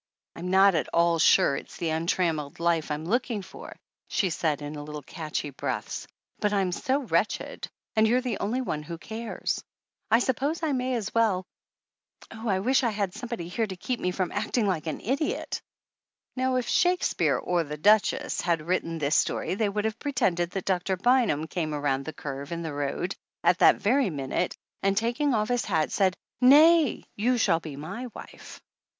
"I'm not at all sure it's the untrammeled life I'm looking for," she said in little catchy breaths ; "but I'm so wretched ! And you're the only one who cares ! I suppose I may as well oh, I wish I had somebody here to keep me from acting an idiot !" Now, if Shakespeare or "The Duchess" had written this story they would have pretended that Doctor Bynum came around the curve in the road at that very minute and taking off his hat said : "Nay, you shall be my wife